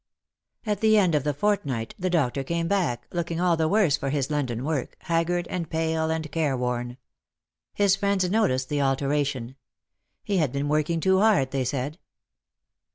At the end of the fortnight the doctor came back, looking all the worse for his London work, haggard and pale and careworn. His friends noticed the alteration. He had been working too hard, they said.